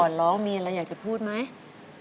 ร้องมีอะไรอยากจะพูดไหม